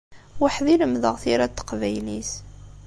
Weḥd-i i lemdeɣ tira n teqbaylit.